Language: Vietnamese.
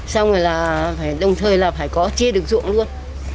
xong rồi là đồng thời là phải có chia được ruộng luôn